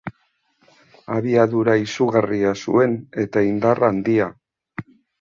Abiadura izugarria zuen, eta indar handia.